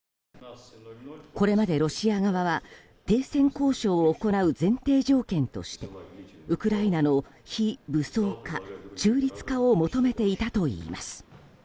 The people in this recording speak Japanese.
これまでロシア側は停戦交渉を行う前提条件としてウクライナの非武装化、中立化を求めていたといいます。